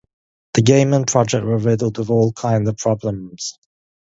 The game and project were riddled with all kinds of problems.